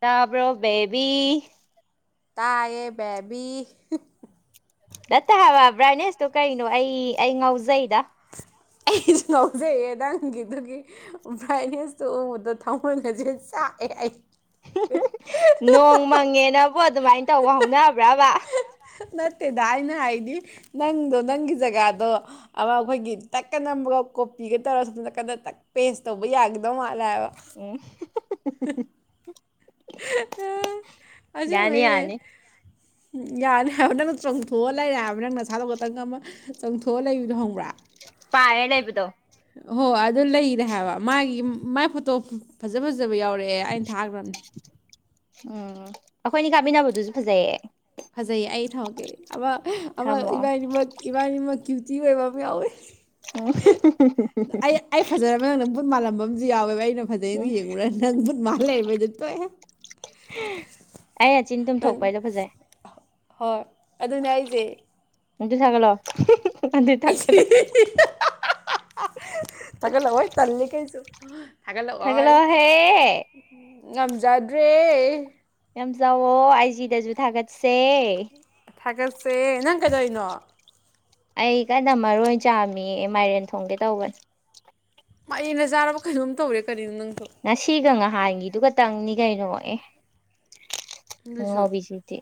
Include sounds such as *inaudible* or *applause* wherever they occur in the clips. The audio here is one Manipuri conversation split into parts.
ꯇꯥꯕꯔ‌ꯣ ꯕ‌ꯦꯕꯤ ꯇꯥꯏꯌꯦ ꯕꯦꯕꯤ ꯅꯠꯇ‌ꯦ ꯍꯥꯏꯕ ꯕ꯭ꯔꯥꯏꯠꯅꯦꯁꯇꯣ ꯀꯩꯅꯣ ꯑꯩ ꯑꯩ ꯉꯥꯎꯖꯩꯗ ꯑꯩꯁꯨ ꯉꯥꯎꯖꯩꯑꯦ ꯅꯪꯒꯤꯗꯨꯒꯤ ꯕ꯭ꯔꯥꯏꯠꯅꯦꯁꯇꯣ ꯎꯕꯗ ꯊꯃ‌ꯣꯏꯒꯁ‌ꯦ ꯆꯥꯛꯑꯦ ꯑꯩ ꯅꯣꯡ ꯃꯪꯉꯦꯅ ꯑꯗꯨꯃꯥꯏꯅ ꯇꯧꯕ ꯍꯧꯅꯕ꯭ꯔꯥ ꯅꯠꯇꯦꯗ ꯑꯩꯅ ꯍꯥꯏꯗꯤ ꯅꯪꯗꯣ ꯅꯪꯒꯤ ꯖꯒꯥꯗꯣ ꯑꯃ ꯑꯩꯈꯣꯏꯒꯤ ꯇꯛꯀ ꯅꯝꯕꯒ ꯀꯣꯄꯤꯒ ꯇꯧꯔ ꯁꯨꯝꯀꯟꯅ ꯇꯛ ꯄꯦꯁ ꯇꯧꯕ ꯌꯥꯒꯗꯧ ꯃꯥ ꯎꯝ *unintelligible* *unintelligible* *unintelligible* ꯌꯥꯅꯤ ꯑꯁ‌ꯦꯡꯕꯩꯅ‌ꯦ ꯌꯥꯅꯤ ꯎꯝ ꯌꯥꯅꯤ ꯍꯥꯏꯕ ꯅꯪꯅ ꯆꯣꯡꯊꯣꯛꯑ ꯂꯩꯔ‌ꯦ ꯍꯥꯏꯕ ꯅꯪ ꯅꯁꯥꯗ ꯈꯇꯪ ꯑꯃ ꯆꯣꯡꯊꯣꯛꯑ ꯂꯩꯕꯗꯣ ꯈꯪꯕ꯭ꯔꯥ ꯄꯥꯏꯔ ꯂꯩꯕꯗꯣ ꯍꯣ ꯑꯗꯨ ꯂꯩꯔꯦ ꯍꯥꯏꯕ ꯃꯥꯒꯤ ꯃꯥꯥꯏ ꯐꯣꯇꯣ ꯐꯖ ꯐꯖꯕ ꯌꯥꯎꯔ ꯔꯛꯑꯦ ꯑꯩꯅ ꯊꯥꯈ꯭ꯔꯕꯅꯤ ꯎꯝ ꯑꯩꯈꯣꯏꯅꯤ ꯀꯥꯞꯃꯤꯟꯅꯕꯗꯨꯁꯨ ꯐꯖꯩꯌꯦ ꯐꯖꯩꯌꯦ ꯑꯩ ꯊꯝꯃꯒꯦ ꯑꯃ ꯑꯃ ꯊꯝꯃꯣ ꯏꯕꯥꯅꯤ ꯃꯛ ꯏꯕꯥꯅꯤ ꯃꯛ ꯀꯌꯨ ꯖꯤ ꯑꯣꯏꯕ ꯑꯃ ꯌꯥꯎꯋꯦ ꯑꯣ *unintelligible* ꯌꯥꯎꯋ‌ꯦꯕ ꯅ ꯐꯖꯩꯅ ꯌ‌ꯦꯡꯉꯨꯔ ꯃꯥꯟꯂꯩꯕꯗ ꯇꯣꯛꯑꯦ ꯍꯦ ꯑꯩ ꯑꯆꯤꯟ ꯇꯨꯝ ꯅꯪ ꯊꯣꯛꯄꯩꯗꯣ ꯐꯖꯩ ꯍꯣꯏ ꯑꯗꯨꯅꯦ ꯑꯩꯖꯦ ꯑꯗꯨ ꯊꯥꯒꯠꯂꯣ *inaudible* ꯊꯥꯒꯠ ꯂꯛ ꯑꯣꯏ ꯇꯟ ꯂꯤ ꯀꯥꯏꯁꯨ ꯊꯥꯒꯠꯂꯛ ꯑꯣꯏ ꯊꯥꯒꯠꯂꯛꯑꯣꯍꯦ ꯉꯝꯖꯗ꯭ꯔꯦ ꯌꯥꯝꯖꯋ ꯑꯩꯖꯤꯗꯁꯨ ꯊꯥꯒꯠꯁꯤ ꯁ ꯊꯥꯒꯠꯁꯦ ꯅꯪ ꯀꯩꯗꯧꯔꯤꯅꯣ ꯑꯩ ꯀꯅꯥ ꯃꯔꯣꯏ ꯆꯥꯃꯤ ꯃꯥꯏꯔꯦꯟ ꯊꯣꯡꯒꯦ ꯇꯧꯕꯅꯦ ꯃꯥꯩꯅ ꯆꯥꯔꯕ ꯀꯩꯅꯣꯝ ꯇꯧꯔꯦ ꯀꯔꯤꯅꯣ ꯅꯪ ꯉꯁꯤꯒ ꯉꯍꯥꯟꯒꯤꯗꯨꯒꯇꯪꯅꯤ ꯌꯥꯏꯅꯉ ꯑꯦ ꯑꯗꯨꯁꯨ ꯎꯕꯤꯖꯤꯠꯇꯤ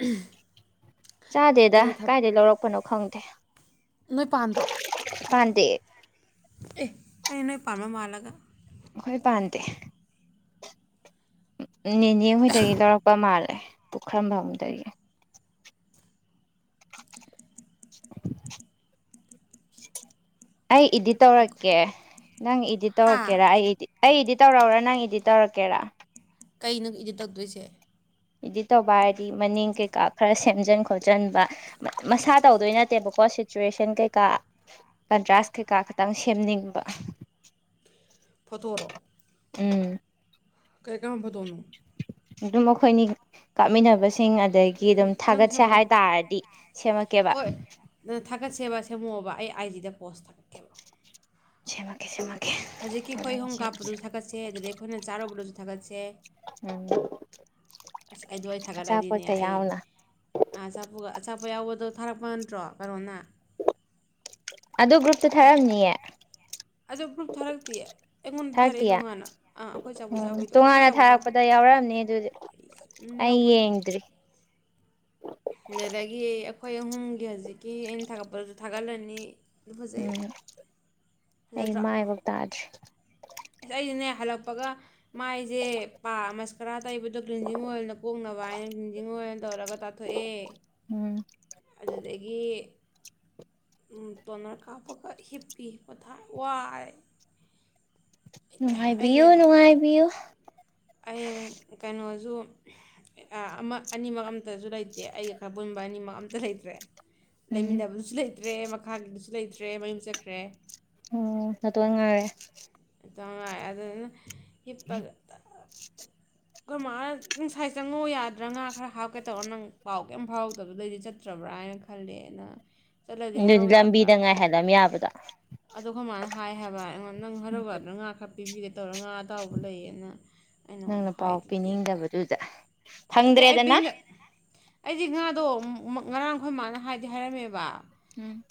ꯎꯝ ꯆꯥꯗꯦꯗ ꯀꯥꯏꯗꯩ ꯂꯧꯔꯛꯄꯅꯣ ꯈꯪꯗꯦ ꯦ ꯅꯣꯏ ꯄꯥꯟꯗ꯭ꯔꯣ ꯄꯗꯦ ꯑꯦ ꯑꯩ ꯅꯣꯏ ꯄꯥꯝꯃ ꯃꯥꯜꯂꯒ ꯍꯣꯏ ꯄꯥꯟꯗꯦ ꯅꯅꯦꯅꯦ ꯍꯣꯏꯗꯒꯤ ꯂꯧꯔꯛꯄ ꯃꯥꯜꯂꯦ ꯄꯨꯈꯔꯝꯕ ꯑꯃꯗꯌꯦ *inaudible* ꯑꯩ ꯏꯗꯤꯠ ꯇꯧꯔꯛꯀꯦ ꯅꯪ ꯏꯗꯤꯠ ꯍꯥ ꯇꯧꯔꯛꯀꯦꯔ ꯑꯩ ꯏꯗꯤꯠ ꯑꯩ ꯏꯗꯤꯠ ꯇꯧꯔꯛꯎꯔ ꯅꯪ ꯏꯗꯤꯠ ꯇꯧꯔꯛꯀꯦꯔꯥ ꯀꯩꯅꯣ ꯏꯗꯤꯠ ꯇꯧꯗꯣꯏꯁꯦ ꯏꯗꯤꯠ ꯇꯧꯕ ꯍꯥꯏꯔꯗꯤ ꯃꯅꯤꯡ ꯀꯩꯀꯥ ꯈꯔ ꯁꯦꯝꯖꯤꯟ ꯈꯣꯠꯆꯟꯕ ꯃꯁꯥ ꯇꯧꯗꯣꯏ ꯅꯠꯇꯦꯕꯀꯣ ꯁꯤꯆꯨꯋꯦꯁꯟ ꯀꯩꯀꯥ ꯀꯟꯇ꯭ꯔꯥꯁ ꯀꯩꯀꯥ ꯈꯇꯪ ꯁꯦꯝꯅꯤꯡꯕ ꯐꯣꯠꯇꯣꯔꯣ ꯎꯝ ꯀꯥꯏ ꯀꯥꯝꯕꯗꯣꯅꯨ ꯑꯗꯨꯝ ꯑꯩꯈꯣꯏꯅꯤ ꯀꯥꯞꯃꯤꯟꯅꯕꯁ ꯁꯤꯡ ꯑꯗꯒꯤ ꯑꯗꯨꯝ ꯅꯪ ꯊꯥꯒꯠꯁꯦ ꯁꯦꯝꯃꯛꯑꯣ ꯍꯥꯏꯇꯥꯥꯔꯗꯤ ꯁꯦꯝꯃꯛꯀꯦꯕ ꯍꯣꯏ ꯑꯩꯗꯤꯗ ꯄꯣꯁ ꯊꯥꯔꯛꯀꯦꯕ ꯃꯀꯦ ꯁꯃꯦ ꯍꯧꯖꯤꯛꯀꯤ ꯑꯩꯈꯣꯏꯍꯣꯡꯝ ꯀꯥꯞꯄꯗꯨꯁꯨ ꯊꯥꯒꯠꯁꯦ ꯑꯗꯨꯗꯒꯤ ꯑꯩꯈꯣꯏꯅ ꯆꯥꯔꯨꯕꯗꯁꯨ ꯊꯥꯒꯠꯁꯦ ꯎꯝ ꯑꯁ ꯑꯩꯗꯋꯥ ꯊꯥꯒꯠꯂꯗꯤꯅꯦ ꯑꯆꯥꯄꯣꯠꯀ ꯑꯩ ꯌꯥꯎꯅ ꯑ ꯑꯆꯥꯄ ꯑꯆꯥꯄꯣ ꯌꯥꯎꯕꯗꯣ ꯊꯥꯔꯛꯄ ꯅꯠꯇ꯭ꯔꯣ ꯀꯩꯅꯣꯅ ꯑꯗꯨ ꯒ꯭ꯔꯨꯞꯇ ꯊꯥꯔꯝꯅꯤꯌꯦ ꯑ ꯒ꯭ꯔꯨꯞ ꯊꯥꯔꯛꯇꯤꯌꯦ ꯑꯩꯉꯣꯟꯗ ꯊꯥꯔꯛꯑꯦ ꯊꯥꯔꯛꯇꯤꯌꯦ ꯇꯣꯉꯥꯟꯅ ꯑꯥ ꯑꯩꯈꯣꯏ ꯆꯥꯕ ꯎꯝ ꯆꯥꯕꯤꯗꯣ ꯑꯩꯈꯣꯏ ꯇꯣꯉꯥꯟꯅ ꯆꯥꯕ ꯊꯥꯔꯛꯄꯗ ꯆꯥꯕꯤꯗꯣ ꯌꯥꯎꯔꯛꯑꯝꯅꯤ ꯑꯗꯨꯗꯤ ꯎꯝ ꯑꯩ ꯌꯥꯎꯕꯅꯤ ꯌꯦꯡꯗ꯭ꯔꯤ ꯑꯗꯨꯗꯒꯤ ꯑꯩꯈꯣꯏ ꯑꯍꯨꯝꯒꯤ ꯍꯧꯖꯤꯛꯀꯤ ꯑꯩꯅ ꯊꯥꯒꯠꯄꯁꯨ ꯊꯥꯒꯠꯂꯅꯤ ꯑꯗꯨ ꯐꯖꯩꯌꯦ ꯎꯝ ꯑꯩ ꯐꯖꯗ꯭ꯔꯥ ꯃꯥꯏꯕ ꯇꯥꯗ꯭ꯦ *unintelligible* ꯑꯁ ꯑꯩꯁꯅꯦ ꯍꯜꯂꯛꯄꯒ ꯃꯥꯏꯁꯦ ꯄꯥꯃꯁ ꯈꯔꯥ ꯑ ꯇꯩꯕꯗꯣ ꯭ꯂꯤꯟꯖꯤꯡ ꯑꯣꯏꯜꯅ ꯀꯣꯛꯅꯕ ꯍꯥꯏꯅ ꯒ꯭ꯂꯤꯟꯖꯤꯡ ꯑꯣꯏꯜ ꯇꯧꯔꯒ ꯇꯥꯊꯣꯛꯑꯦ ꯎꯝ ꯑꯗꯨꯗꯒꯤ ꯇꯣꯅꯔ ꯀꯥꯞꯄꯒ ꯍꯤꯞꯄꯤꯤꯞ ꯄ ꯊꯥꯏ ꯋꯥꯏ ꯅꯨꯡꯉꯥꯏꯕꯤꯌꯨ ꯅꯨꯡꯉꯥꯏꯕꯤꯌꯨ ꯑ ꯀ *unintelligible* *unintelligible* ꯁꯨ ꯂꯩꯇꯦ ꯑꯩ ꯈꯟꯕꯅꯤꯃ ꯑꯝ ꯇꯔ ꯂꯩꯗ꯭ꯔꯦ ꯎꯝ ꯂꯩꯃꯤꯗꯥꯕꯨꯁ ꯂꯩ ꯇ꯭ꯔꯦ ꯃꯈꯥꯒꯤꯗꯨꯁꯨ ꯂꯩꯇ꯭ꯔꯦ ꯃꯌꯨꯝ ꯆꯠꯈ꯭ꯔꯦ ꯎꯝ ꯅꯠꯇ ꯉꯥꯏꯔꯦ ꯇ ꯑꯗ ꯏꯄꯜ ꯀꯃꯥꯏ ꯉꯅꯨꯡꯁꯥꯏ ꯆꯪꯉꯧ ꯌꯥꯗ꯭ꯔꯥ ꯉꯥ ꯈꯔ ꯍꯥꯞꯀꯦ ꯇꯧꯔ ꯅꯪ ꯄꯥꯎ ꯀꯩꯝ ꯐꯥꯎꯔꯗꯕꯗꯩꯗꯤ ꯆꯠꯇ꯭ꯔꯕ꯭ꯔꯥ ꯍꯥꯏꯅ ꯈꯜꯂꯦꯅ ꯆꯠꯂꯗꯤ ꯑꯗꯨ ꯍꯥꯏꯔꯧ ꯌꯥꯗ꯭ꯔꯥ ꯂꯝꯕꯤꯗ ꯉꯥꯏꯍꯜꯂꯝ ꯌꯥꯕꯗꯣ ꯑꯗꯣ ꯑꯩꯈꯣꯏ ꯃꯥꯅ ꯍꯥꯏꯕ ꯑꯩꯉꯣꯟꯗ ꯅꯪ ꯍ ꯔꯧꯒꯔꯅꯉ ꯈ ꯇꯤꯕꯤꯒ ꯇꯧꯔꯒ ꯉꯥ ꯑꯇꯥꯎꯕ ꯂꯩꯌꯦꯅ ꯅꯪꯅ ꯄꯥꯎ ꯄꯤꯅꯤꯡꯗꯕꯗꯨꯗ ꯑ ꯐꯪꯗ꯭ꯔꯦꯗꯅ ꯑꯩꯕ ꯑꯩꯗꯤ ꯉ ꯑꯗꯣ ꯉꯔꯥꯡ ꯑꯩꯈꯣꯏ ꯃꯥꯅ ꯍꯥꯏꯗꯤ ꯍꯥꯏꯔꯝꯃꯦꯕ ꯎꯝ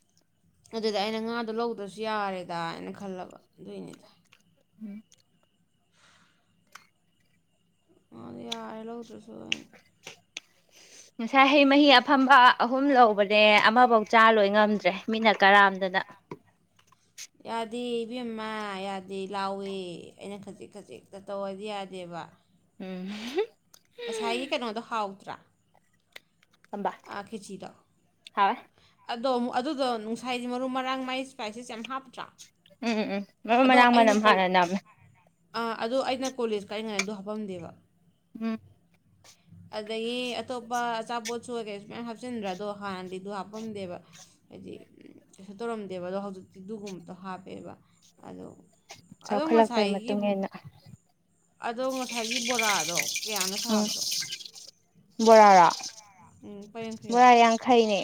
ꯑꯗꯨꯗ ꯑꯩꯅ ꯉꯥꯗꯣ ꯂꯧꯗ꯭ꯔꯁꯨ ꯌꯥꯔꯦꯗ ꯍꯥꯏꯅ ꯈꯜꯂꯕ ꯑꯗꯨꯏꯅꯤꯗ ꯎꯝ ꯑ ꯌꯥꯔꯦ ꯂꯧꯗ꯭ꯔꯁꯨ ꯉꯁꯥꯏ ꯍꯩ ꯃꯍꯤ ꯑꯐꯝꯕ ꯑꯍꯨꯝ ꯂꯧꯕꯅꯦ ꯑꯃꯐꯧ ꯆꯥ ꯂꯣꯏ ꯉꯝꯗ꯭ꯔꯦ ꯃꯤꯠꯅ ꯀꯔꯥꯝꯗꯅ ꯌꯥꯗꯦ ꯏꯕꯦꯝꯃ ꯌꯥꯗꯤ ꯂꯥꯎꯏ ꯑꯩꯅ ꯈꯖꯤꯛ ꯈꯖꯤꯛꯇ ꯇꯧꯑꯗꯤ ꯌꯥꯗꯦꯕ ꯎꯝ ꯆꯥꯛ ꯑꯝꯕ ꯍꯧꯋꯦ ꯑꯗꯣ ꯑꯗꯨꯗꯣ ꯅꯨꯡꯁꯥꯏꯗꯤ ꯃꯔꯨ ꯃꯔꯥꯡ ꯃꯥꯏ ꯏꯁꯄꯥꯏꯁꯦꯁ ꯌꯥꯝ ꯍꯥꯞꯄꯇ꯭ꯔꯥ ꯎꯝ ꯎꯝ ꯃꯔꯨ ꯃꯔꯥꯡ ꯃꯅꯝ ꯍꯥꯟꯅ ꯅꯝꯃꯦ ꯑꯥ ꯑꯗꯣ ꯑꯩꯅ ꯀꯣꯂꯦꯖ ꯀꯥꯏꯅꯤꯡꯉꯥꯏꯗ ꯍꯥꯞꯄꯝꯗꯦꯕ ꯎꯝ ꯑꯗꯒꯤ ꯑꯇꯣꯞꯄ ꯑꯆꯥꯄꯣꯠꯁꯨ ꯀ ꯀꯩꯁꯨ ꯃꯌꯥꯝ ꯍꯥꯞꯆꯤꯟꯗ꯭ꯔꯥ ꯑꯗꯣ ꯍꯥꯟꯅꯗꯤ ꯗꫭꯍꯥꯝ ꯍꯥꯞꯄꯝꯗꯦꯕ ꯍꯥꯏꯗꯤ ꯀꯩꯁꯨ ꯇꯧꯔꯝꯗꯦꯕ ꯑꯗꯣ ꯍꯧꯖꯤꯛꯇꯤꯗꯨꯒꯨꯝꯕꯗꯣ ꯍꯥꯞꯄꯦꯕ ꯑꯗꯣ ꯑꯗꯣ ꯆꯥꯎꯈꯠꯂꯛꯄꯩ ꯉꯁꯥꯏꯒꯤ ꯃꯇꯨꯡ ꯏꯟꯅ ꯑꯗꯣ ꯉꯁꯥꯏꯒꯤ ꯕꯣꯔꯥꯗꯣ ꯀꯌꯥꯅ ꯎꯝ ꯁꯥꯕꯗꯣ ꯕꯣꯔꯥꯔꯣ ꯂꯨꯄꯥ ꯌꯥꯡꯈꯩꯔꯣ ꯕꯣꯔꯥ ꯌꯥꯡꯈꯩꯅꯦ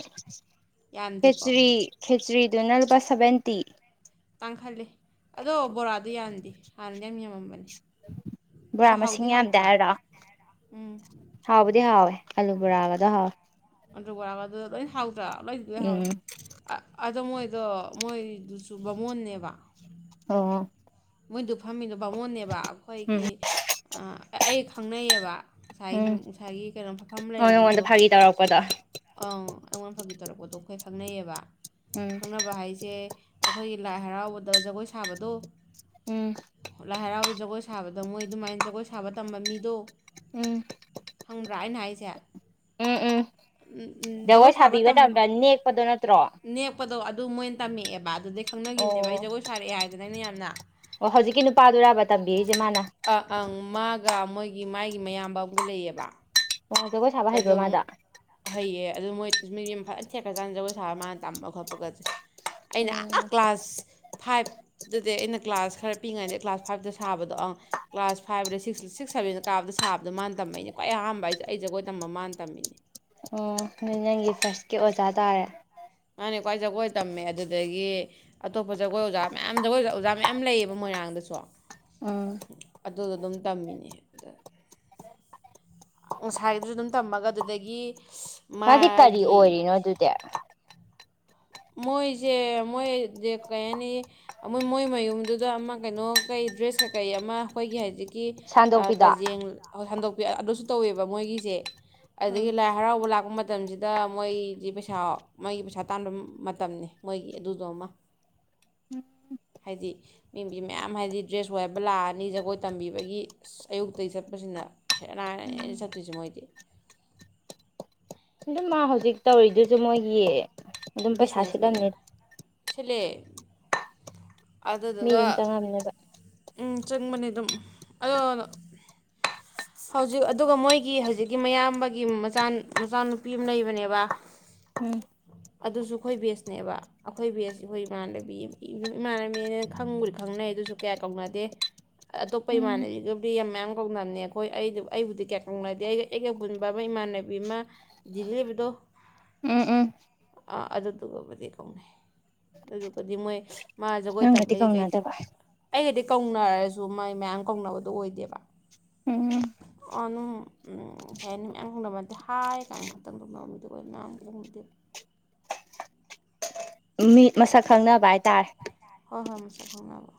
ꯌꯥꯝꯗꯦꯀꯣ ꯈꯦꯆꯔꯤ ꯈꯦꯆꯔꯤ ꯗꯨꯅ ꯂꯨꯄ ꯁꯚꯦꯟꯇꯤ ꯇꯥꯡꯈꯠꯂꯤ ꯑꯗꯣ ꯕꯣꯔꯥꯗꯣ ꯌꯥꯟꯗꯦ ꯍꯥꯟꯅꯗꯤ ꯌꯥꯝ ꯌꯥꯝꯄꯝꯕꯅꯤ ꯕꯣꯔꯥ ꯃꯁꯤꯡ ꯌꯥꯝꯗꯦ ꯍꯥꯏꯔꯥ ꯍꯥꯎꯕꯨꯗꯤ ꯍꯥꯎꯋꯦ ꯑꯜꯂꯨ ꯕꫭꯔꯒꯗꯥ ꯍꯥꯎꯋꯦ ꯑꯂꯨ ꯕꫭꯔꯒꯗꫭ ꯂꫭꯏꯅ ꯇꯔ ꯂꯣꯏ ꯂꯣꯏꯍꯥꯎꯋꯦ ꯎꯝ ꯑ ꯑꯗꯣ ꯃꯣꯏꯗꯣ ꯃꯣꯏꯗꯨꯁꯨ ꯕꯥꯃꯣꯟꯅꯦꯕ ꯑꫭ ꯃꯣꯏꯗꯨ ꯐꯝꯃꯤꯗꫭ ꯕꯥꯃꯣꯟꯅꯦꯕ ꯎꯝ ꯑꯩꯈꯣꯏꯒꯤ ꯑꯩ ꯈꯪꯅꯩꯌꯦꯕ ꯉꯁꯥꯏꯒꯤ ꯎꯝ ꯉꯁꯥꯏꯒꯤ ꯀꯩꯅꯣ ꯐꯝ ꯑꯣ ꯂꯩꯔꯝꯕ ꯃꯤꯗꯣ ꯅꯉꯣꯟꯗ ꯐꯥꯒꯤ ꯇꯧꯔꯛꯄꯗꯣ ꯑ ꯑꯩꯉꯣꯟ ꯐꯥꯒꯤ ꯇꯧꯔꯛꯄꯗꯣ ꯑꯩꯈꯣꯏ ꯈꯪꯅꯩꯌꯦꯕ ꯎꯝ ꯈꯪꯅꯕ ꯍꯥꯏꯁꯦ ꯑꯩꯈꯣꯏꯒꯤ ꯂꯥꯏ ꯍꯔꯥꯎꯕꯗ ꯖꯒꯣꯏ ꯁꯥꯕꯗꯣ ꯎꯝ ꯂꯥꯏ ꯍꯔꯥꯎꯕ ꯖꯒꯣꯏ ꯁꯥꯕꯗ ꯃꯣꯏ ꯑꯗꯨꯃꯥꯏꯅ ꯖꯒꯣꯏ ꯁꯥꯕ ꯇꯝꯕ ꯃꯤꯗꯣ ꯎꯝ ꯈꯪꯕ꯭ꯔ ꯑꯧꯅ ꯍꯥꯏꯖꯦ ꯎꯝ ꯎꯝ ꯎꯝ ꯎꯝ ꯖꯒꯣꯏ ꯁꯥꯕ ꯁꯥꯕꯤ ꯇꯝ ꯃꯇꯝꯗ ꯅꯦꯛꯄꯗꯣ ꯅꯠꯇ꯭ꯔꯣ ꯅꯦꯛꯄꯗꯣ ꯑꯗꯨ ꯃꯣꯏꯅ ꯇꯝꯃꯛꯑꯦꯕ ꯕꯥ ꯑꯗꯨꯎꯗꯩ ꯈꯪꯅꯈꯤꯕꯅꯦꯕ ꯑꯩ ꯑꯣ ꯖꯒꯣꯏ ꯁꯥꯔꯛꯑꯦ ꯍꯥꯏꯗꯅ ꯑꯩꯅ ꯌꯥꯝꯅ ꯑꯣ ꯍꯧꯖꯤꯛꯀꯤ ꯅꯨꯄꯥꯗꯨꯔꯥꯕ ꯇꯝꯕꯤꯔꯤꯁꯦ ꯃꯥꯅ ꯑ ꯑꯪ ꯃꯥꯒ ꯃꯣꯏꯒꯤ ꯃꯒꯤ ꯃꯌꯥꯝꯕ ꯑꯃꯒ ꯂꯩꯌꯦꯕ ꯑꯣ ꯖꯒꯣꯏ ꯁꯥꯕ ꯍꯩꯕ꯭ꯔꯣ ꯑꯗꯨꯒꯝ ꯃꯥꯗꯣ ꯍꯩꯌꯦ ꯑꯗꯨ ꯃꯣꯏ ꯃꯤꯝ ꯌꯥꯝ ꯐꯖꯅ ꯊꯦꯛꯀ꯭ꯔ ꯆꯥꯥꯟꯅ ꯖꯒꯣꯏ ꯁꯥꯔ ꯃꯥꯅ ꯇꯝꯕ ꯈꯣꯠꯄꯒꯠꯁꯦ ꯑꯩꯅ ꯎꯝ ꯀ꯭ꯂꯥꯁ ꯐꯥꯏꯚꯇꯗꯤ ꯑꯩꯅ ꯀ꯭ꯂꯥꯁ ꯈꯔ ꯄꯤꯛꯏꯉꯩꯗꯩ ꯀ꯭ꯂꯥꯁ ꯐꯥꯏꯚꯇ ꯁꯥꯕꯗꯣ ꯑꯪ ꯀ꯭ꯂꯥꯁ ꯐꯥꯏꯞꯗ ꯁꯤꯛꯁ ꯁꯤꯛꯁ ꯁꯕꯦꯟꯗ ꯀꯥꯕꯗ ꯁꯥꯕꯗꯣ ꯃꯥꯅ ꯇꯝꯝꯕꯩꯅꯦ ꯈ꯭ꯋꯥꯏ ꯑꯍꯥꯟꯕ ꯍꯥꯏꯁ ꯑꯩ ꯖꯒꯣꯏꯗ ꯇꯝ ꯃ ꯃꯥꯥꯟꯅ ꯇꯝꯃꯤꯅꯤ ꯑꯣ ꯑꯣ ꯅꯪꯒꯤ ꯐꯥꯔꯁꯀꯤ ꯑꯣꯖꯥ ꯇꯥꯔꯦ ꯃꯥꯅꯦ ꯈ꯭ꯋꯥꯏ ꯖꯒꯣꯏ ꯇꯝꯃꯦ ꯑꯗꯨꯗꯒꯤ ꯑꯇꯣꯞꯄ ꯖꯒꯣꯏ ꯑꯣꯖꯥ ꯃꯌꯥꯝ ꯖꯒꯣꯏ ꯑꯣꯖꯥ ꯃꯌꯥꯝ ꯂꯩꯌꯦꯕ ꯃꯣꯏꯔꯥꯡꯗꯁꯨ ꯎꯝ ꯑꯗꯨꯗ ꯑꯗꯨꯝ ꯇꯝꯃꯤꯅꯦ ꯑ ꯅꯨꯡꯁꯥꯒꯤꯗꯨꯁꯨ ꯑꯗꯨꯝ ꯇꯝꯃꯒ ꯑꯗꯨꯗꯒꯤ ꯃꯥꯗꯤ ꯀꯔꯤ ꯃꯥꯒꯤ ꯑꯣꯏꯔꯤꯅꯣ ꯑꯗꯨꯗꯤ ꯃꯣꯏꯁꯦ ꯃꯣꯏ ꯀꯩ ꯍꯥꯏꯅꯤ ꯃꯣꯏ ꯃꯣꯏ ꯃꯌꯨꯝꯗꯨꯗ ꯑꯃ ꯀꯩꯅꯣ ꯀꯩ ꯗ꯭ꯔꯦꯁ ꯀꯩꯀꯩ ꯑꯃ ꯑꯩꯈꯣꯏꯒꯤ ꯍꯥꯏꯖꯤꯛ ꯒꯤ ꯁꯥꯟꯗꯣꯛꯄꯤꯗꯣ ꯀꯖꯦꯡ ꯍꯟꯗꯣꯛ ꯑꯗꯨꯁꯨ ꯇꯧꯋꯦꯕ ꯃꯣꯏꯒꯤꯁꯦ ꯑꯗꯒꯤ ꯎꯝ ꯂꯥꯏ ꯍꯔꯥꯎꯕ ꯂꯥꯛꯄ ꯃꯇꯝ ꯃꯇꯝꯁꯤꯗ ꯃꯣꯏꯁꯤ ꯄꯩꯁꯥ ꯃꯣꯏꯒꯤ ꯄꯩꯁꯥ ꯇꯥꯟꯕ ꯃꯇꯝꯅꯤ ꯃꯣꯏꯒꯤ ꯑꯗꯨꯗꯣꯃ ꯍꯥꯏꯗꯤ ꯃꯤꯕꯤ ꯃꯌꯥꯝ ꯍꯥꯏꯗꯤ ꯗ꯭ꯔꯦꯁ ꯋꯥꯏꯕ ꯂꯥꯛꯑꯅꯤ ꯖꯒꯣꯏ ꯇꯝꯕꯤꯕꯒꯤ ꯑ ꯑꯌꯨꯛꯇꯒꯤ ꯆꯠꯄꯁꯤꯅ ꯁꯦꯅꯥꯔꯅ ꯎꯝ ꯆꯠꯇꯣꯏꯁꯦ ꯃꯣꯏꯗꯤ ꯑꯗꯨ ꯃꯥ ꯍꯧꯖꯤꯛ ꯇꯧꯔꯤꯗꯨꯁꯨ ꯃꯣꯏ ꯌꯦꯛꯑꯦ ꯑꯗꯨ ꯑꯗꯨꯝ ꯄꯩꯁꯥꯁꯤꯠ ꯂꯝꯅꯤ ꯍꯦꯂꯦ ꯃꯤ ꯑꯗꯨꯝ ꯆꯪꯉꯕꯅꯦꯕ ꯎꯝ ꯆꯪꯕꯅꯦ ꯑꯗꯨꯝ ꯑꯗꯣ ꯍꯧꯖꯤꯛ ꯑꯗꯨꯒ ꯃꯣꯏꯒꯤ ꯍꯧꯖꯤꯛꯀꯤ ꯃꯌꯥꯝꯕꯒꯤ ꯃꯆꯥ ꯃꯆꯥꯅꯨꯄꯤ ꯑꯃ ꯂꯩꯕꯅꯦꯕ ꯎꯝ ꯑꯗꯨꯁꯨ ꯑꯩꯈꯣꯏ ꯕꯦꯁꯅꯦꯕ ꯑꯩꯈꯣꯏ ꯕꯦꯁ ꯑꯩꯈꯣꯏ ꯏꯃꯥꯟꯅꯕꯤꯝ ꯏꯃꯥꯟꯅꯕꯤꯅ ꯈꯪꯉꯨꯔꯤ ꯈꯪꯅꯩ ꯑꯗꯨꯁꯨ ꯀꯌꯥ ꯀꯧꯅꯗꯦ ꯑꯇꯣꯞꯄ ꯎꯝ ꯏꯃꯥꯟꯅꯕꯤꯒꯕꯨꯗꯤ ꯌꯥꯝ ꯃꯌꯥꯝ ꯀꯧꯅꯕꯅꯦ ꯑꯩꯈꯣꯏ ꯑꯩ ꯑꯩꯕꯨꯗꯤ ꯀꯌꯥ ꯀꯧꯅꯗꯦ ꯑꯩꯒ ꯑꯩꯒ ꯄꯨꯟꯕ ꯑꯃ ꯏꯃꯥꯟꯅꯕꯤ ꯑꯃ ꯗꯤꯜꯂꯤꯕꯗꯣ ꯎꯝ ꯎꯝ ꯑꯥ ꯑꯗꯨꯗꯨꯒꯕꯨꯗꯤ ꯀꯧꯅꯩ ꯑꯗꯨꯒꯗꯤ ꯃꯣꯏ ꯃꯥ ꯖꯒꯣꯏ ꯅꯪꯒꯗꯤ ꯇꯝꯕꯒꯤ ꯀꯩ ꯀꯧꯅꯗꯕ ꯑꯩꯒꯗꯤ ꯀꯧꯅꯔꯁꯨ ꯃꯥꯏ ꯃꯌꯥꯝ ꯀꯧꯅꯕꯗꯣ ꯑꯣꯏꯗꯦꯕ ꯎꯝ ꯑꯗꯨꯝ ꯀꯩ ꯍꯥꯏꯅꯤ ꯃꯌꯥꯝ ꯀꯧꯅꯕ ꯅꯠꯇꯦ ꯍꯥꯏ ꯀꯥꯏꯅ ꯈꯛꯇꯪ ꯇꯧꯅꯕ ꯃꯤꯗꯤ ꯑꯣꯏ ꯃꯌꯥꯝꯗꯤꯗꯪꯅꯗꯦꯕ ꯃꯤꯠ ꯃꯁꯛ ꯈꯪꯅꯕ ꯍꯥꯏꯇꯥꯔꯦ ꯍꯣꯏ ꯍꯣꯏ ꯃꯥꯁꯛ ꯈꯪꯅꯕ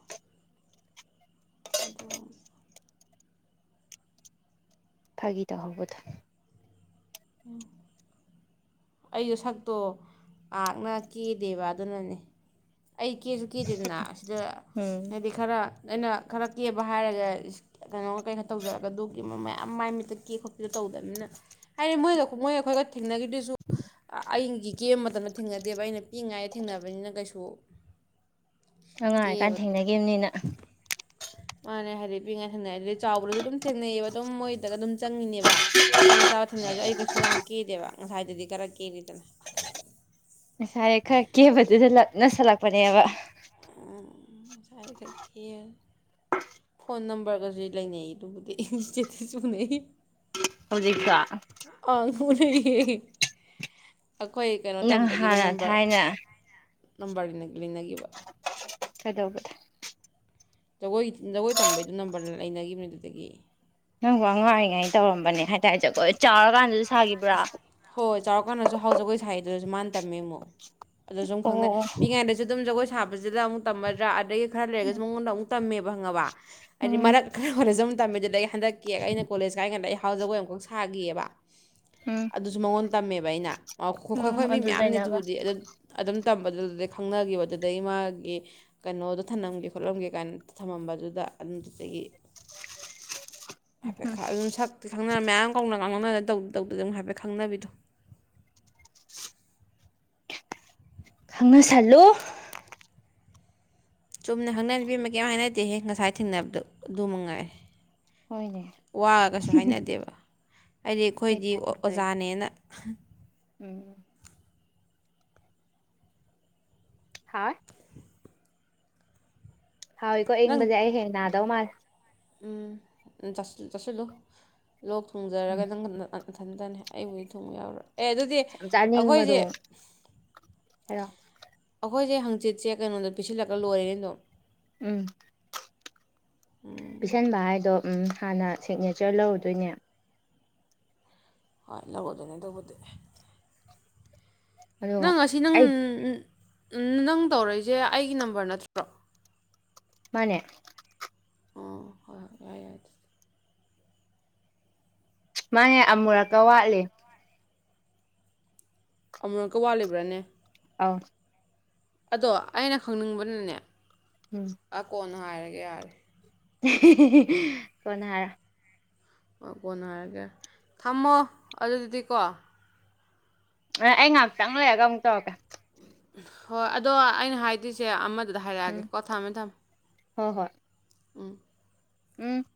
ꯑꯗꯨ ꯐꯥꯒꯤ ꯇꯧꯍꯧꯕꯗ ꯎꯝ ꯑꯩꯁꯨ ꯁꯛꯇꯣ ꯑꯥꯛꯅ ꯀꯦꯗꯦꯕ ꯑꯗꯨꯅꯅꯦ ꯑꯩ ꯀꯦꯁꯨ ꯀꯦꯗꯦꯗꯅ ꯁꯤꯗ ꯎꯝ ꯍꯥꯏꯗꯤ ꯈꯔ ꯑꯩꯅ ꯈꯔ ꯀꯦꯕ ꯍꯥꯏꯔꯒ ꯀꯩꯅꯣ ꯀꯩꯅ ꯈ ꯇꯧꯖꯔꯒ ꯑꯗꯨꯒꯤꯕ ꯃꯌꯥꯝ ꯃꯥꯏ ꯃꯤꯠꯇ ꯀꯦ ꯈꯣꯠꯄꯤꯗꯣ ꯇꯧꯗꯕꯅꯤꯅ ꯍꯥꯏꯗꯤ ꯃꯣꯏꯗ ꯃꯣꯏ ꯑꯩꯈꯣꯏꯒ ꯊꯦꯡꯅꯈꯗꯨꯁꯨ ꯑꯩꯒꯤ ꯀꯦꯕ ꯃꯇꯝꯗ ꯊꯦꯡꯅꯗꯦꯕ ꯑꯩꯅ ꯄꯤꯛꯏꯉꯥꯏꯗ ꯊꯦꯡꯅꯕꯅꯤꯅ ꯀꯩꯁꯨ ꯑꯉꯥꯡ ꯑꯣꯏꯔꯤꯀꯥꯟꯗ ꯀꯦꯕꯗꯣ ꯊꯦꯡꯅꯈꯤꯕꯅꯤꯅ ꯃꯥꯅꯦ ꯍꯥꯏꯗꯤ ꯄꯤꯉꯥꯏ ꯊꯪꯅꯩ ꯑꯗꯨꯗꯗꯤ ꯆꯥꯎꯕ꯭ꯔꯁꯨ ꯑꯗꯨꯝ ꯊꯦꯡꯅꯩꯑꯕ ꯑꯗꯨꯝ ꯃꯣꯏꯗꯒ ꯑꯗꯨꯝ ꯆꯪꯉꯤꯅꯦꯕ ꯆꯥꯕ ꯆꯥꯕ ꯊꯦꯡꯅꯔꯁꯨ ꯑꯩ ꯀꯩꯁꯨ ꯌꯥꯝ ꯀꯦꯗꯦꯕ ꯉꯁꯥꯏ ꯑꯗꯨꯗꯤ ꯈꯔꯥ ꯀꯦꯔꯤꯗꯅ ꯉꯁꯥꯏ ꯈꯔ ꯀꯦꯕꯗꯨꯗ ꯂꯞꯅꯁꯜꯂꯛꯄꯅꯦꯕ ꯎꯝ ꯉꯁꯥꯏ ꯈꯔꯥ ꯀꯦꯔꯥ ꯐꯣꯟ ꯅꯝꯕꯔꯒꯁꯨ ꯂꯩꯅꯩ ꯑꯗꯨꯕꯨꯗꯤ ꯑꯩ ꯏꯁꯇꯦꯇꯁ ꯎꯅꯩ ꯍꯧꯖꯤꯛꯇꯣ ꯑ ꯍꯅꯌꯦ ꯑꯩꯈꯣꯏ ꯀꯩꯅꯣ ꯅꯪ ꯇꯝꯕꯒꯤꯗ ꯍꯥꯟꯅ ꯅꯝꯕꯔ ꯊꯥꯏꯅ ꯅꯕꯥꯔ ꯂꯤꯅꯈꯤꯕ ꯀꯩꯗꯧꯕꯗ ꯖꯒꯣꯏ ꯖꯒꯣꯏ ꯇꯝꯕꯩꯗꯨ ꯅꯝꯕꯔ ꯂꯩꯅꯈꯤꯕꯅꯦ ꯑꯗꯨꯗꯒꯤ ꯅꯪꯡ ꯑꯉꯥꯡꯑꯣꯏꯔꯤ ꯀꯟꯗ ꯇꯧꯔꯝꯕꯅꯦ ꯍꯥꯏꯇꯥꯔꯦ ꯑꯩꯈꯣꯏ ꯆꯥꯎꯔꯀꯥꯟꯗ ꯑꯁ ꯍꯣꯏ ꯆꯥꯎꯔꯀꯥꯟꯗꯁꯨ ꯍꯥꯎ ꯖꯒꯣꯏ ꯁꯥꯏꯗꯨꯗꯁꯨ ꯃꯥ ꯇꯃꯃꯦ ꯃꯨꯛ ꯑꯗꯣ ꯁꯨꯝ ꯈꯪꯅꯩ ꯑꯣ ꯄꯤꯛꯉꯩꯗꯁꯨ ꯑꯗꯨꯝ ꯖꯒꯣꯏ ꯁꯥꯕ ꯇꯕꯁꯤꯗ ꯑꯃꯨꯛ ꯇꯝꯃꯗ꯭ꯔꯥ ꯑꯗꯩ ꯈꯥꯔ ꯂꯩꯔꯥꯒꯁꯨꯃꯨꯡ ꯎꯟꯗ ꯇꯝꯃꯦꯕ ꯉꯕꯥ ꯑ ꯎꯝ ꯃꯔ ꯈꯔ ꯈꯔꯖ ꯇꯝꯃꯦ ꯑꯗꯩꯩ ꯍꯟꯗꯛꯀꯤ ꯑꯩꯅ ꯀꯣꯂꯦꯖ ꯀꯥꯏ ꯀꯥꯟꯗ ꯍꯥꯎ ꯖꯒꯣꯏ ꯑꯃꯨꯈꯛ ꯁꯥꯈꯤꯑꯕ ꯎꯝ ꯑꯗꯨꯁꯨ ꯃꯉꯣꯟꯗ ꯇꯝꯃꯦꯕ ꯑꯩꯅ ꯎꯝ ꯑꯩꯈꯣꯏ ꯃꯤ ꯑꯗꯨ ꯃꯌꯥꯝꯅꯤ ꯂꯩꯅꯕ ꯑꯗꯨꯕꯨꯗꯤ ꯑꯗꯨ ꯑꯗꯨꯝ ꯇꯝꯕꯗꯨꯗꯨꯗꯒꯤꯩ ꯈꯪꯅꯈꯤꯕꯗꯨꯗꯒꯤ ꯃꯥꯒꯤ ꯀꯩꯅꯣꯗꯣ ꯊꯝꯂꯝꯒꯦ ꯈꯣꯠꯂꯝꯒꯦ ꯀꯥꯏꯅ ꯊꯝꯃꯝꯕꯗꯨꯗ ꯑꯗꯨꯗꯨꯗꯒꯤ ꯍꯥꯏꯐꯦꯠ ꯎꯝ ꯑꯗꯨꯝ ꯁꯛ ꯈꯪꯅ ꯃꯌꯥꯝ ꯀꯥꯎꯅ ꯉꯥꯡꯅ ꯇꯧꯗ ꯇꯧꯗꯅꯥ ꯍꯥꯏꯐꯦꯠ ꯈꯪꯅꯕꯤꯗꯣ ꯈꯪꯅꯁꯜꯂꯨ ꯆꯨꯝꯅ ꯍꯪꯅꯕꯤꯃ ꯀꯩꯝ ꯍꯥꯏꯅꯗꯦꯍꯦ ꯉꯁꯥꯏ ꯊꯦꯡꯅꯕꯗꯣ ꯑꯗꯨ ꯃꯉꯥꯏ ꯍꯣꯏꯅꯦ ꯋꯥꯒꯁꯨ ꯍꯥꯏꯅꯗꯦꯕ ꯍꯥꯏꯗꯤ ꯑꯩꯈꯣꯏꯗꯤ ꯑꯣꯖꯥꯅꯦꯅ ꯑꯍꯨ ꯎꯝ ꯍꯥ ꯍꯥꯎ ꯏꯀꯣ ꯑꯏꯪꯕꯥꯁ‌ꯦ ꯑꯩ ꯍꯥꯌ‌ꯦꯡ ꯅ ꯗꯧ ꯃꯥꯜꯂ‌ꯦ ꯎꯝ ꯆꯁꯤꯜ ꯆꯥꯁꯤꯜꯂꯨ ꯂꯣꯛ ꯊꯨꯡꯖꯔꯒ ꯅꯪ ꯃꯊꯟꯇꯅ ꯑꯩꯕꯨꯗꯤ ꯊꯨꯡ ꯌꯥꯎꯔꯣꯏ ꯑꯦ ꯑꯗꯨꯗꯤ ꯌꯥꯝ ꯆꯥꯅꯤꯡꯕꯗꯣ ꯑꯩꯈꯣꯏꯁꯦ ꯍꯥꯏꯔꯣ ꯑꯩꯈꯣꯏꯁꯦ ꯍꯪꯆꯤꯠꯁꯦ ꯀꯩꯅꯣꯗꯣ ꯄꯤꯁꯤꯜꯂꯛꯒ ꯂꯣꯏꯔꯦꯅꯦ ꯑꯗꯨꯝ ꯎꯝ ꯄꯤꯁꯟꯕ ꯍꯥꯏꯗꯣ ꯎꯝ ꯍꯥꯟꯅ ꯁꯤꯛꯅꯦꯆ꯭ꯔ ꯂꯧꯔꯨꯗꯣꯏꯅꯦ ꯍꯣꯏ ꯂꯧꯔꯗꯣꯏꯅꯦ ꯑꯗꯨꯕꯨꯗꯤ ꯑꯗꯨꯒ ꯅꯪ ꯑꯁꯤ ꯅꯪ ꯑꯩ ꯅꯪ ꯇꯧꯔꯛꯏꯁꯦ ꯑꯩꯒꯤ ꯅꯝꯕꯔ ꯅꯠꯇ꯭ꯔꯣ ꯃꯥꯅꯦ ꯑꯣ ꯍꯣꯏ ꯍꯣꯏ ꯌꯥꯏ ꯌꯥꯏ ꯃꯥꯅꯦ ꯑꯃꯨꯔꯛꯀ ꯋꯥꯠꯂꯤ ꯑꯃꯨꯔꯛꯀ ꯋꯥꯠꯂꯤꯕ꯭ꯔꯥꯅꯦ ꯑꯧ ꯑꯗꯣ ꯑꯩꯅ ꯈꯪꯅꯤꯡꯕꯅꯅꯦ ꯎꯝ ꯉꯥꯏꯔꯒꯦ ꯌꯥꯔꯦ *unintelligible* ꯀꯣꯟꯅ ꯍꯥꯏꯔꯣ ꯀꯣꯟꯅ ꯍꯥꯏꯔꯒꯦ ꯊꯝꯃꯣ ꯑꯗꯨꯗꯤꯀꯣ ꯑꯩ ꯉꯥꯏꯍꯥꯛꯇꯪ ꯂꯩꯔꯒ ꯑꯃꯨꯛ ꯇꯧꯔꯛꯀꯦ ꯍꯣꯏ ꯑꯗꯣ ꯑꯩꯅ ꯍꯥꯏꯗꯣꯏꯁꯦ ꯑꯃ ꯑꯗꯨꯗ ꯎꯝ ꯍꯥꯏꯔꯛꯑꯒꯦ ꯀꯣ ꯊꯝꯃꯦ ꯊꯝꯃꯦ ꯍꯣꯏ ꯍꯣꯏ ꯎꯝ ꯎꯝ